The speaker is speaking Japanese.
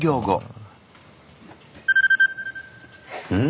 うん？